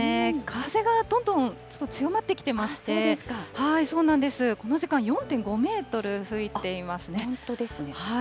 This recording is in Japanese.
風がどんどんちょっと強まってきていまして、そうなんです、この時間４．５メートル吹いていますね。